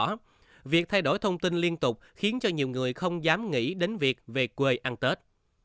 vì vậy việc thay đổi thông tin liên tục khiến cho nhiều người không dám nghĩ đến việc về quê ăn tết